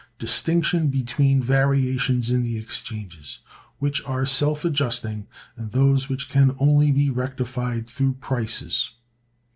Distinction between Variations in the Exchanges which are self adjusting and those which can only be rectified through Prices.